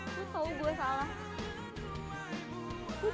oh organismu pitb